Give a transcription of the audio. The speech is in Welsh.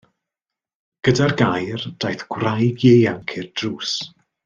Gyda'r gair daeth gwraig ieuanc i'r drws.